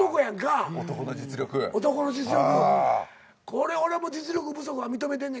これ俺も実力不足は認めてんねんけど。